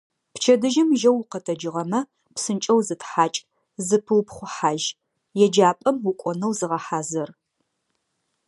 Пчэдыжьым жьэу укъэтэджыгъэмэ, псынкӏэу зытхьакӏ, зыпыупхъухьажь, еджапӏэм укӏонэу зыгъэхьазыр.